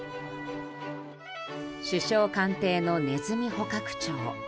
首相官邸のネズミ捕獲長。